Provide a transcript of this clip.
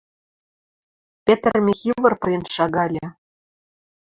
Петр Михивыр пырен шагальы.